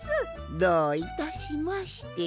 どういたしまして。